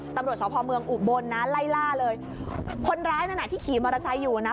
ตำรวจสพเมืองอุบลนะไล่ล่าเลยคนร้ายนั้นอ่ะที่ขี่มอเตอร์ไซค์อยู่นะ